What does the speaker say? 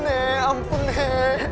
nih ampun nih